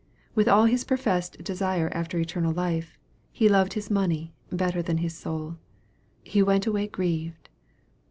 With all his professed desire after eternal life, he loved his money better than his soul. "He went away grieved."